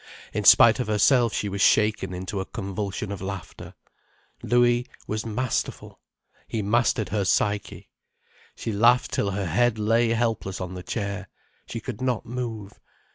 In spite of herself she was shaken into a convulsion of laughter. Louis was masterful—he mastered her psyche. She laughed till her head lay helpless on the chair, she could not move.